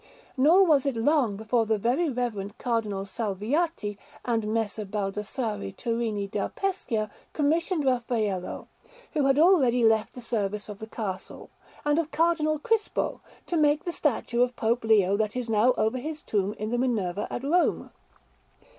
Nor was it long before the very reverend Cardinal Salviati and Messer Baldassarre Turini da Pescia commissioned Raffaello, who had already left the service of the Castle and of Cardinal Crispo, to make the statue of Pope Leo that is now over his tomb in the Minerva at Rome.